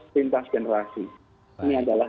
pintas generasi ini adalah